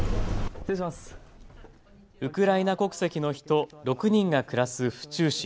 ウクライナ国籍の人６人が暮らす府中市。